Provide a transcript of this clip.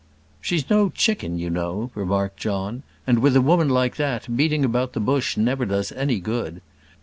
"She's no chicken, you know," remarked John; "and with a woman like that, beating about the bush never does any good.